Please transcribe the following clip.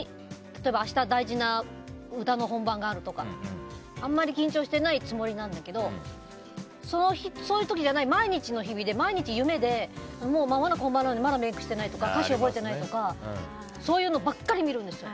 例えば明日大事な歌の本番があるとかあんまり緊張していないつもりなんだけどそういう時じゃない毎日の夢でもうまもなく本番なのにメイクしてないとか歌詞を覚えていないとかそういうのばっかり見るんですよ。